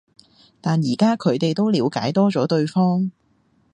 但而家佢哋都了解多咗對方